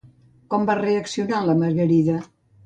Com va reaccionar la Margarida?